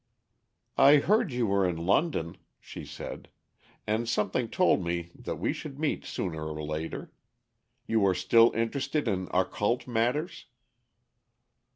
"I heard you were in London," she said, "and something told me that we should meet sooner or later. You are still interested in occult matters?"